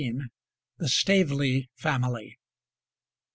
THE STAVELEY FAMILY.